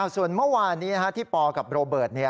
ส่วนเมื่อวานนี้ที่ปกับโรเบิร์ต